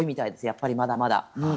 やっぱり、まだまだ。